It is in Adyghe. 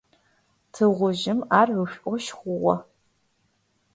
Тыгъужъым ар ышӀошъ хъугъэ.